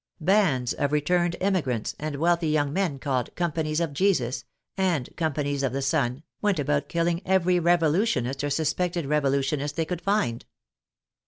Bands of re turned " emigrants " and wealthy young men called " Companies of Jesus " and '* Companies of the Sun," went about killing every Revolutionist, or suspected Rev olutionist, they could find.